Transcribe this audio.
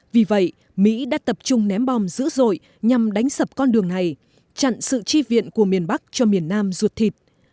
vì vậy mỹ đã tập trung ném bom dữ dội nhằm đánh sập con đường này chặn sự chi viện của miền bắc cho miền nam ruột thịt